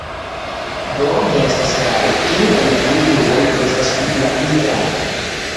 Do ne estas klare, kiu el la du urboj estas la pli granda.